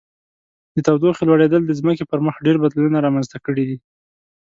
د تودوخې لوړیدل د ځمکې پر مخ ډیر بدلونونه رامنځته کړي دي.